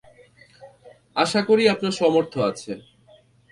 আশা করি আপনার সামর্থ্য আছে।